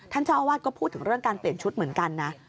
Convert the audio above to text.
เจ้าอาวาสก็พูดถึงเรื่องการเปลี่ยนชุดเหมือนกันนะ